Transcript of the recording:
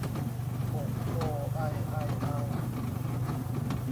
โอะ โอ ไอ ใอ เอา